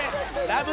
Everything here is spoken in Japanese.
『ラブ！！